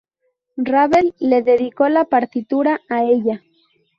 Ravel le dedicó la partitura a ella.